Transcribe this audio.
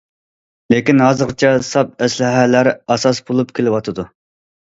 لېكىن ھازىرغىچە ساپ ئەسلىھەلەر ئاساس بولۇپ كېلىۋاتىدۇ.